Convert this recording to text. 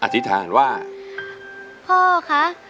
อธิษฐานค่ะ